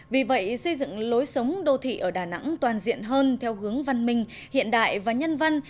vì vậy xây dựng lối sống đô thị ở đà nẵng toàn diện hơn theo hướng văn minh hiện đại và nhân văn